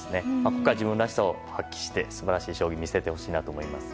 僕は自分らしさを発揮して素晴らしい将棋を見せてほしいと思います。